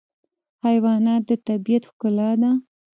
حیوانات د طبیعت ښکلا ده.